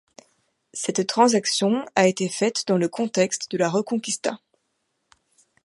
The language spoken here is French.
Cette transaction a été faite dans le contexte de la Reconquista.